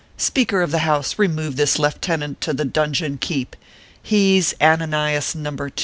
Speaker of the House, remove this lef tenant to the donjon keep. He s Ananias Num ber 2."